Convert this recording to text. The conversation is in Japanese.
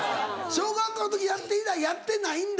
小学校の時やって以来やってないんだ？